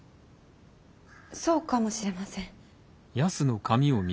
そうかもしれません。